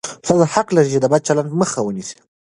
ښځه حق لري چې د بد چلند مخه ونیسي.